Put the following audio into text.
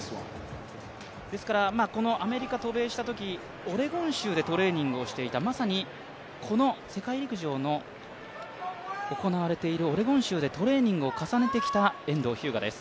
このアメリカに渡米したときオレゴン州でトレーニングをしていた、まさにこの世界陸上の行われているオレゴン州でトレーニングを重ねてきた遠藤日向です。